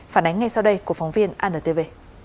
phản ánh ngay sau đây của phóng viên antv